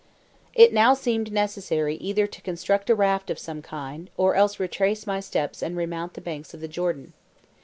It now seemed necessary either to construct a raft of some kind, or else to retrace my steps and remount the banks of the Jordan.